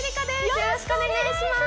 よろしくお願いします